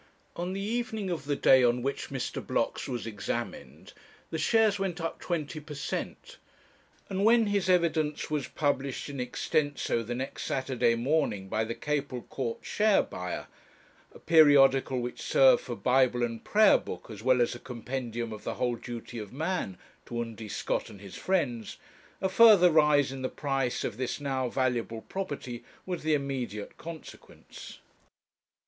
On the evening of the day on which Mr. Blocks was examined, the shares went up 20 per cent; and when his evidence was published in extenso the next Saturday morning by the Capel Court Share buyer, a periodical which served for Bible and Prayer book, as well as a Compendium of the Whole Duty of Man, to Undy Scott and his friends, a further rise in the price of this now valuable property was the immediate consequence.